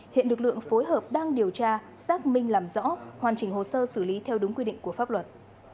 hiện lực lượng phối hợp đang điều tra xác minh làm rõ hoàn chỉnh hồ sơ xử lý theo đúng quy định của pháp luật